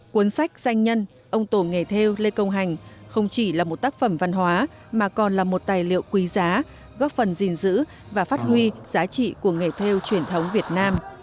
cuốn sách danh nhân ông tổ nghề theo lê công hành không chỉ là một tác phẩm văn hóa mà còn là một tài liệu quý giá góp phần gìn giữ và phát huy giá trị của nghề theo truyền thống việt nam